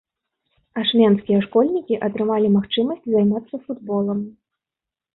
Ашмянскія школьнікі атрымалі магчымасць займацца футболам.